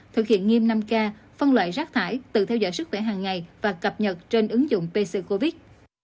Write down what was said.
thực hiện nghiêm năm k phân loại rác thải tự theo dõi sức khỏe hàng ngày và cập nhật trên ứng dụng pc covid